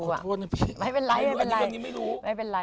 ขอโทษนะพี่อันนี้ไม่รู้